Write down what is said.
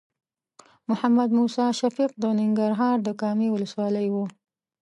محمد موسی شفیق د ننګرهار د کامې ولسوالۍ و.